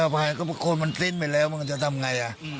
ผมก็อภัยคนมันสิ้นไปแล้วมันจะทำยังไง